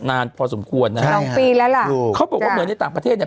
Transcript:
นานพอสมควรนะฮะสองปีแล้วล่ะถูกเขาบอกว่าเหมือนในต่างประเทศเนี้ย